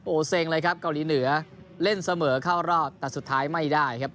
โอ้โหเซ็งเลยครับเกาหลีเหนือเล่นเสมอเข้ารอบแต่สุดท้ายไม่ได้ครับ